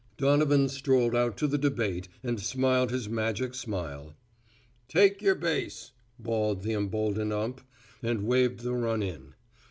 Donovan strolled out to the debate and smiled his magic smile. "Take yer base," bawled the emboldened ump, and waved the run in.